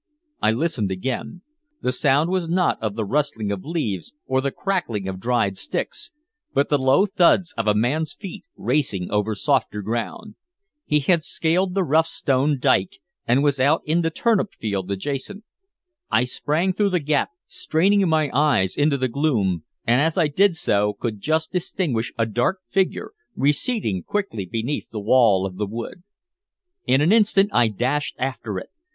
I listened again. The sound was not of the rustling of leaves or the crackling of dried sticks, but the low thuds of a man's feet racing over softer ground. He had scaled the rough stone dyke and was out in the turnip field adjacent. I sprang through the gap, straining my eyes into the gloom, and as I did so could just distinguish a dark figure receding quickly beneath the wall of the wood. In an instant I dashed after it.